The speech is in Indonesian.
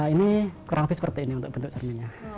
ini kurang lebih seperti ini untuk bentuk cerminnya